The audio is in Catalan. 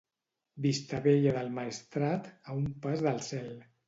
Vistabella del Maestrat, a un pas del cel.